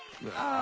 あ。